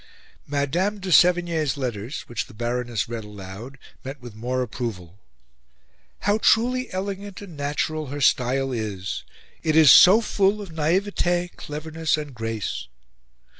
Madame de Sevigne's letters, which the Baroness read aloud, met with more approval. "How truly elegant and natural her style is! It is so full of naivete, cleverness, and grace."